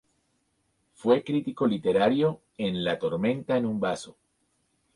Fue crítico literario en La tormenta en un vaso.